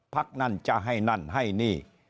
พักนั่นจะให้นั่นให้นี่